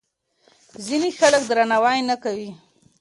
ځینې خلک درناوی نه کوي.